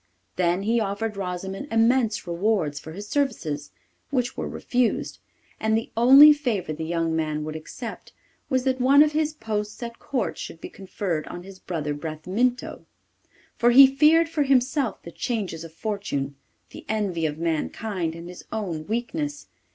Then he offered Rosimond immense rewards for his services, which were refused, and the only favour the young man would accept was that one of his posts at Court should be conferred on his brother Bramintho. For he feared for himself the changes of fortune, the envy of mankind and his own weakness.